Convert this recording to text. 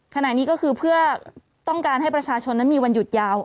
ขณะนี้ก็คือเพื่อต้องการให้ประชาชนนั้นมีวันหยุดยาว